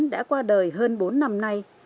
đã qua đời hơn bốn năm nay